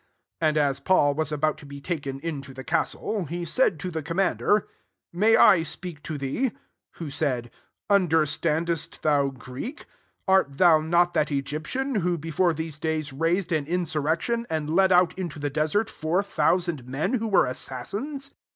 S7 And as Paul was about to be taken into the castle, he said to the commander, " May I speak to thee?" Who said, " Understandest thou Greek? 38 Art thou not that Egyptitn, who before these days raised an insurrection, and led out in to the desert four thousand men who were assassins